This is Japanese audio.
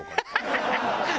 ハハハハ！